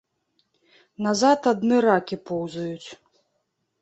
Назад адны ракі поўзаюць.